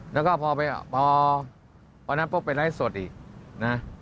แล้วก็พอนั้นเป็นไร้ส่วนอีก